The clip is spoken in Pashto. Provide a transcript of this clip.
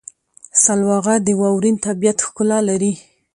سلواغه د واورین طبیعت ښکلا لري.